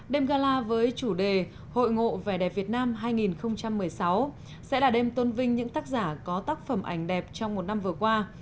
đêm gala với chủ đề hội ngộ vẻ đẹp việt nam hai nghìn một mươi sáu sẽ là đêm tôn vinh những tác giả có tác phẩm ảnh đẹp trong một năm vừa qua